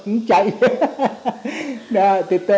trong khi bác gặp mẹ